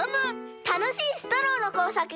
たのしいストローのこうさくができたら。